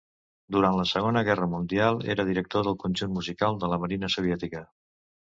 Durant la segona guerra mundial era director del conjunt musical de la marina soviètica.